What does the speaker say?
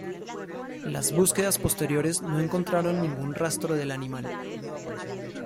Las búsquedas posteriores no encontraron ningún rastro del animal.